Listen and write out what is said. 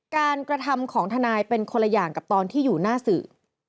กระทำของทนายเป็นคนละอย่างกับตอนที่อยู่หน้าสื่อ